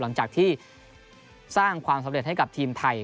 หลังจากที่สร้างความสำเร็จให้กับทีมไทย